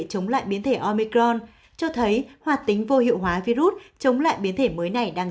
chống lại biến thể omicron cho thấy hoạt tính vô hiệu hóa virus chống lại biến thể mới này đang